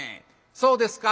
「そうですか。